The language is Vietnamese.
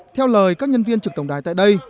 theo lời các nhân viên trực tổng đài tại đây